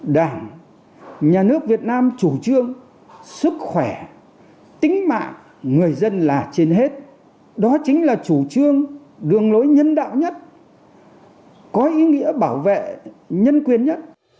đảng nhà nước việt nam chủ trương sức khỏe tính mạng người dân là trên hết đó chính là chủ trương đường lối nhân đạo nhất có ý nghĩa bảo vệ nhân quyền nhất